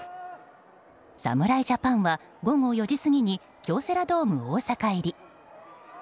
侍ジャパンは午後４時過ぎに京セラドーム大阪入り。